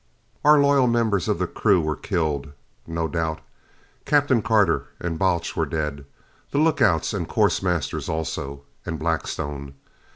Our loyal members of the crew were killed, no doubt. Captain Carter and Balch were dead. The lookouts and course masters, also. And Blackstone.